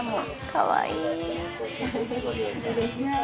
かわいい。